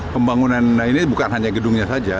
pembangunan ini bukan hanya gedungnya saja